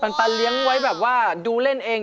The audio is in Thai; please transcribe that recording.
ตาเลี้ยงไว้แบบว่าดูเล่นเอง